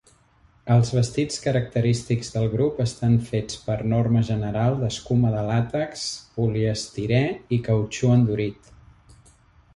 Els vestits característics del grup estan fets per norma general d'escuma de làtex, poliestirè i cautxú endurit.